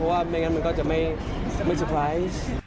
เพราะว่าไม่งั้นมันก็จะไม่ไม่สปร้าย